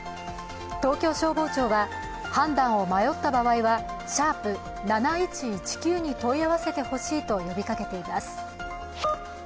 東京消防庁は判断を迷った場合は♯７１１９に問い合わせてほしいと呼びかけています。